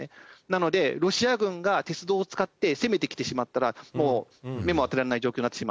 なのでロシア軍が鉄道を使って攻めてきてしまったらもう目も当てられない状況になってしまうと。